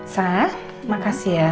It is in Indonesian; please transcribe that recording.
sah makasih ya